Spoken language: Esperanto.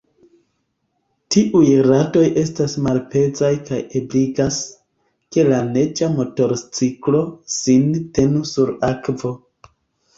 Tiuj radoj estas malpezaj kaj ebligas, ke la neĝa motorciklo sin tenu sur akvo.